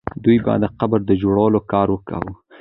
دوی به د قبر د جوړولو کار کاوه.